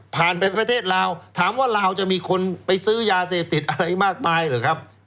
ไปประเทศลาวถามว่าลาวจะมีคนไปซื้อยาเสพติดอะไรมากมายหรือครับ